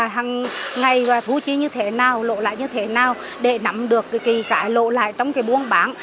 hằng ngày và thú trí như thế nào lộ lại như thế nào để nắm được kỳ cải lộ lại trong cái buôn bán